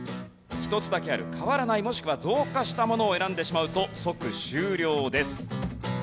１つだけある変わらないもしくは増加したものを選んでしまうと即終了です。